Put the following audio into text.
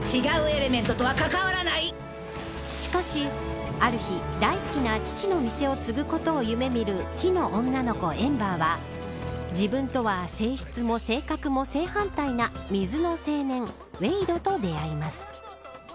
しかし、ある日大好きな父の店を継ぐことを夢見る火の女の子、エンバーは自分とは性質も性格も正反対な水の青年ウェイドと出会います。